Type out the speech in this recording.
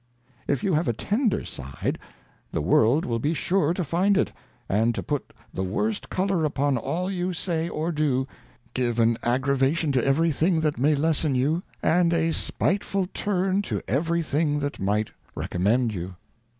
If you have a tender Side, the World will be sure to find it, and to put the worst Colour upon all you say or do, give an Aggravation to CENSURE. 37 to every thing that may lessen you, and a spiteful turn to every thing that might recommend you.